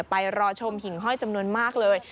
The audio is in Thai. ไปรอชมหิ่งห้อยจำนวนมากเลย